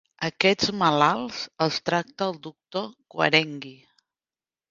Aquests malalts, els tracta el doctor Quarengui.